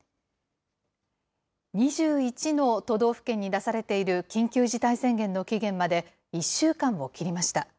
２１の都道府県に出されている緊急事態宣言の期限まで１週間を切りました。